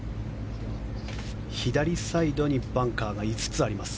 左サイドにバンカーが５つあります。